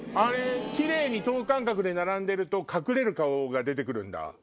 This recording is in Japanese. きれいに等間隔で並んでると隠れる顔が出て来るんだ。